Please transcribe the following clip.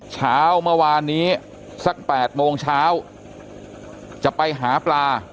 เช้าเมื่อวานนี้สัก๘โมงเช้าจะไปหาปลา